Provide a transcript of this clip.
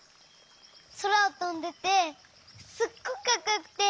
そらをとんでてすっごくかっこよくて。